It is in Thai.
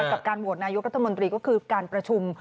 กับการโหวตนายกรัฐมนตรีก็คือการประชุม